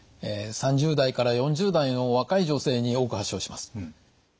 ３０代から４０代の若い女性に多く発症します。